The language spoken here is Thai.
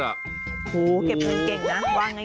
โอ้โหเก็บเงินเก่งนะว่าง่าย